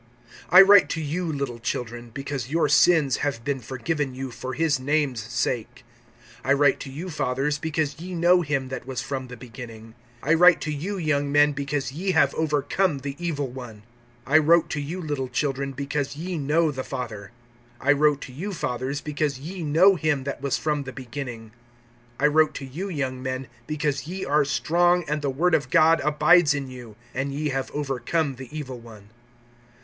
(12)I write to you, little children, because your sins have been forgiven you for his name's sake. (13)I write to you, fathers, because ye know him that was from the beginning. I write to you, young men, because ye have overcome the evil one. I wrote to you, little children, because ye know the Father. (14)I wrote to you, fathers, because ye know him that was from the beginning. I wrote to you, young men, because ye are strong, and the word of God abides in you, and ye have overcome the evil one.